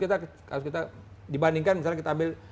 kasus kita dibandingkan misalnya kita ambil satu persen